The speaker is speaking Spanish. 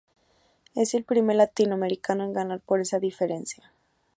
Es el primer latinoamericano en ganar por esa diferencia.